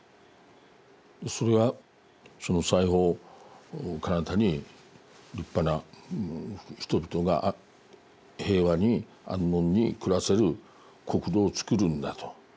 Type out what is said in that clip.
それはその西方の彼方に立派な人々が平和に安穏に暮らせる国土をつくるんだと。